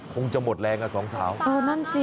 คงจะหมดแรงอ่ะสองสาวเออนั่นสิ